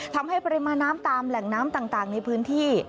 ทำให้ปริมาณน้ำตามแหล่งน้ำต่างในพื้นที่